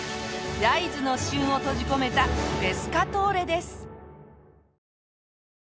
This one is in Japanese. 焼津の旬を閉じ込めたペスカトーレです！